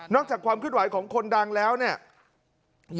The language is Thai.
นอกจากความแข็งไขของคนดังแล้วเนี่ย